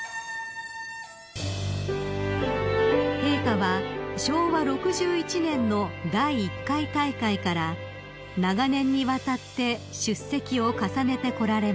［陛下は昭和６１年の第１回大会から長年にわたって出席を重ねてこられました］